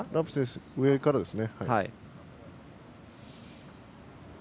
上からですね。